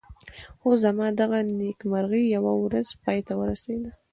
خو زما دغه نېکمرغي یوه ورځ پای ته ورسېده.